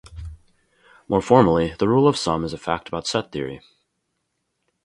More formally, the rule of sum is a fact about set theory.